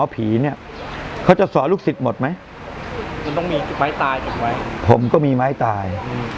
ผมก็มีไม้ตาย